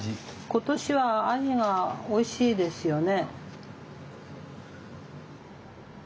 今年はあじがおいしいですよね。